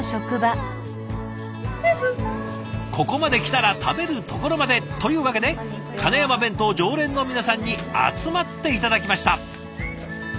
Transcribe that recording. ここまで来たら食べるところまで！というわけで金山弁当常連の皆さんに集まって頂きました。